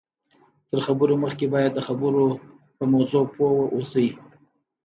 تر خبرو مخکې باید د خبرو په موضوع پوه واوسئ